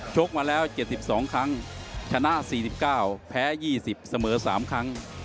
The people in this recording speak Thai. ชกมาแล้วเกี่ยวสิบสองครั้งชนะสี่สิบเก้าแพ้ยี่สิบเสมอสามครั้ง